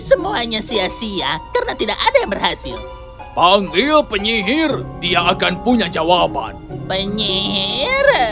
semuanya sia sia karena tidak ada yang berhasil panggil penyihir dia akan punya jawaban penyihir